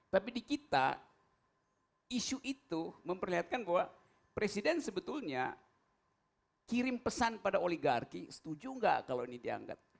tapi di kita isu itu memperlihatkan bahwa presiden sebetulnya kirim pesan pada oligarki setuju nggak kalau ini dianggap